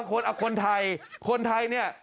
คนไทยคนไทยเนี่ย